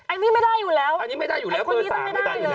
อันนี้ไม่ได้อยู่แล้วอันนี้ไม่ได้อยู่แล้วเบอร์๓ไม่ได้อยู่แล้ว